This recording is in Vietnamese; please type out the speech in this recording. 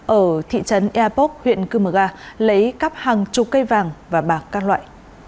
ở thị trấn eapok huyện cư mờ ga lấy cắp hàng chục cây vàng và bạc các loại